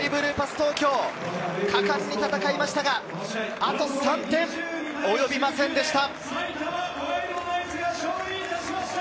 東京、果敢に戦いましたが、あと３点及びませんでした。